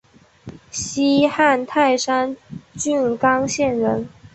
西汉泰山郡刚县人。